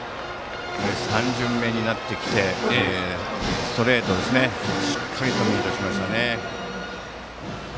３巡目になってきてストレートをしっかりとミートしましたね。